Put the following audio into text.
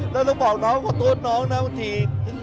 แล้วเราบอกน้องขอโทษน้องนะบางที